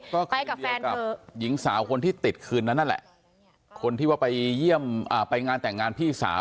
ก็ใกล้กับแฟนกับหญิงสาวคนที่ติดคืนนั้นนั่นแหละคนที่ว่าไปเยี่ยมไปงานแต่งงานพี่สาว